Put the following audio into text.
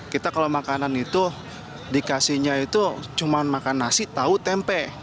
kita kalau makanan itu dikasihnya itu cuma makan nasi tahu tempe